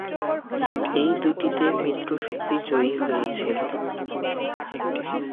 এই দুটিতে মিত্রশক্তি জয়ী হয়েছিল।